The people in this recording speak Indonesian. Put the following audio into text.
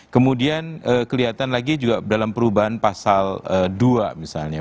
kemudian kelihatan lagi juga dalam perubahan pasal dua misalnya